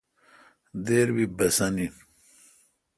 دیر بی بھسن این